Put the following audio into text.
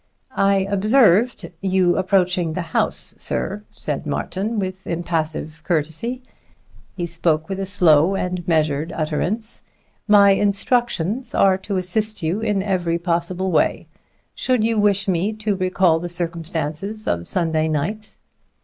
"I observed you approaching the house, sir," said Martin with impassive courtesy. He spoke with a slow and measured utterance. "My instructions are to assist you in every possible way. Should you wish me to recall the circumstances of Sunday night?"